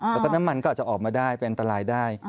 แล้วก็น้ำมันก็อาจจะออกมาได้เป็นอันตรายได้